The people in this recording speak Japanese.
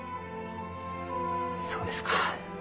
そうですか。